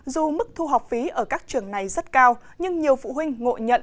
dù mức thu học phí ở các trường này rất cao nhưng nhiều phụ huynh ngộ nhận